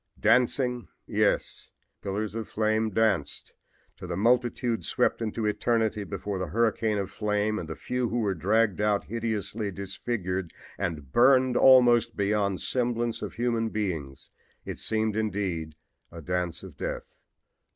Dancing! Yes, the pillars of flame danced! To the multitude swept into eternity before the hurricane of flame and the few who were dragged out hideously disfigured and burned almost beyond all semblance of human beings it seemed indeed a dance of death.